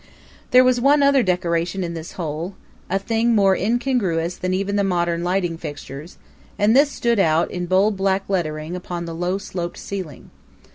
There was one other decoration in this hole a thing more incongruous even than the modern lighting fixtures; and this stood out in bold black lettering upon the low sloped ceiling.